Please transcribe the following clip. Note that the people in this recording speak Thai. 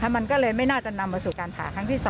มันก็เลยไม่น่าจะนำมาสู่การผ่าครั้งที่๒